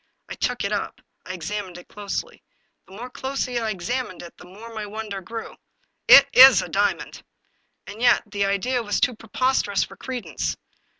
I took it up. I examined it closely. The more closely I examined it, the more my wonder grew. " It w a diamond !" And yet the idea was too preposterous for credence.